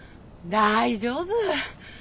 大丈夫。